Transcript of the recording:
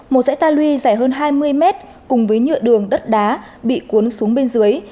một dãy ta lui dài hơn hai mươi mét cùng với nhựa đường đất đá bị cuốn xuống bên dưới